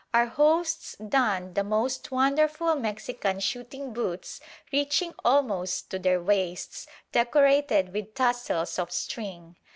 Our hosts donned the most wonderful Mexican shooting boots reaching almost to their waists, decorated with tassels of string.